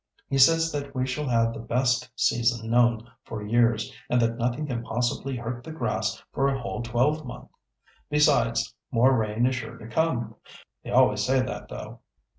He says that we shall have the best season known for years, and that nothing can possibly hurt the grass for a whole twelvemonth. Besides, more rain is sure to come. They always say that though.